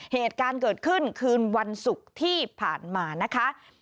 เหตุการณ์เกิดขึ้นคืนวันศุกร์ที่ผ่านมานะคะ